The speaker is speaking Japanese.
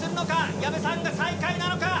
矢部さんが最下位なのか？